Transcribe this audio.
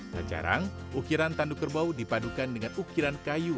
kejarang ukiran tanduk kerbau dipadukan dengan ukiran kayu